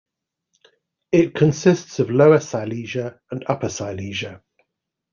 It consists of Lower Silesia and Upper Silesia.